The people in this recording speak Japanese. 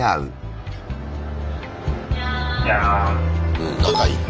うん仲いいな。